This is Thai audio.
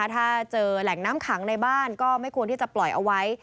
ถ้าเจอแหล่งน้ำขังในบ้านก็ไม่ควรที่จะปล่อยเอาไว้